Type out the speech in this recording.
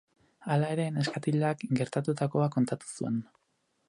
Hala ere, neskatilak gertatutakoa kontatu zuen.